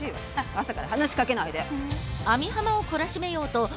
朝から話しかけないで。